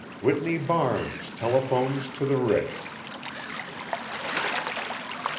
WHITNEY BARNES TELEPHONES TO THE RITZ.